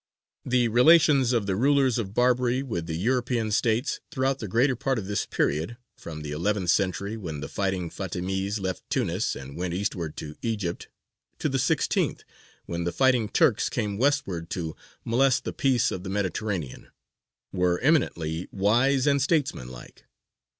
The relations of the rulers of Barbary with the European States throughout the greater part of this period from the eleventh century, when the fighting Fātimīs left Tunis and went eastward to Egypt, to the sixteenth, when the fighting Turks came westward to molest the peace of the Mediterranean were eminently wise and statesmanlike.